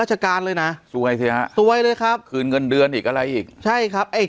ราชการเลยนะซวยสิฮะซวยเลยครับคืนเงินเดือนอีกอะไรอีกใช่ครับไอ้